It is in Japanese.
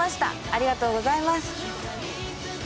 ありがとうございます。